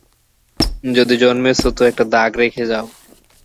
যদি জন্মেছ তো একটা দাগ রেখে যাও।